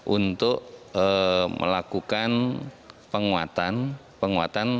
untuk melakukan penguatan